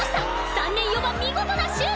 ３年４番見事なシュート！